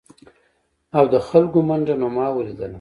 او د خلکو منډه نو ما ولیدله ؟